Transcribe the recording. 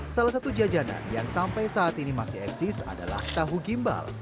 salah satu jajanan yang sampai saat ini masih eksis adalah tahu gimbal